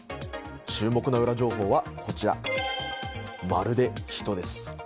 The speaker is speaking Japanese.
注目のウラ情報はこちらまるで人です。